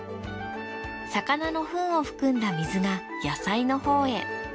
魚のフンを含んだ水が野菜のほうへ。